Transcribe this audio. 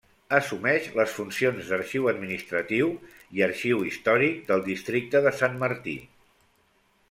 Assumeix les funcions d'Arxiu Administratiu i Arxiu històric del districte de Sant Martí.